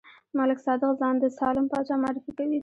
ملک صادق ځان د سالم پاچا معرفي کوي.